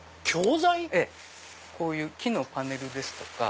こういう木のパネルですとか。